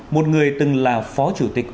một người từng là phó chủ tịch